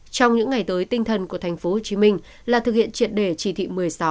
trong những ngày tới tinh thần của tp hcm là thực hiện triệt đề chỉ thị một mươi sáu